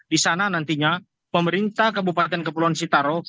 di sana nantinya pemerintah kabupaten kepulauan sitaro